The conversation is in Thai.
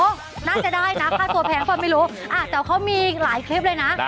โอ้น่าจะได้นะคะตัวแผงกว่าไม่รู้แต่เขามีหลายคลิปเลยนะ